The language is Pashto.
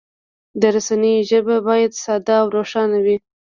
د رسنیو ژبه باید ساده او روښانه وي.